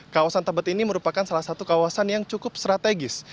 kawasan tebet ini merupakan salah satu kawasan yang cukup strategis